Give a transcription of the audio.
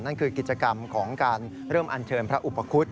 นั่นคือกิจกรรมของการเริ่มอัญเชิญพระอุปคุฎ